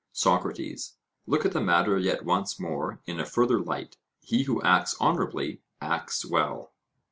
SOCRATES: Look at the matter yet once more in a further light: he who acts honourably acts well?